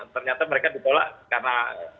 ternyata mereka ditolak karena